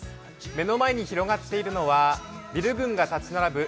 目の前に広がっているのは、ビル群が立ち並ぶ